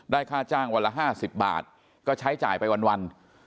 ค่าจ้างวันละ๕๐บาทก็ใช้จ่ายไปวัน